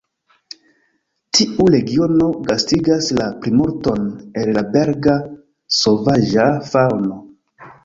Tiu regiono gastigas la plimulton el la belga sovaĝa faŭno.